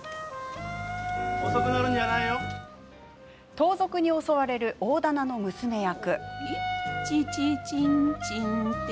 盗賊に襲われる大だなの娘役。